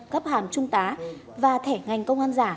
cấp hàm trung tá và thẻ ngành công an giả